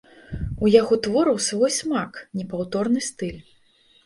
У яго твораў свой смак, непаўторны стыль.